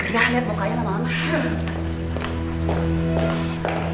gerah liat mukanya sama mama